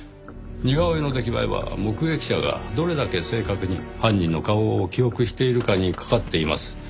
似顔絵の出来栄えは目撃者がどれだけ正確に犯人の顔を記憶しているかに懸かっています。